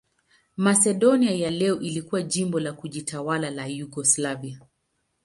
Masedonia ya leo ilikuwa jimbo la kujitawala la Yugoslavia.